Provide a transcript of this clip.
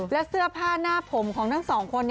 และเสื้อผ้าหน้าผมของทั้งสองคน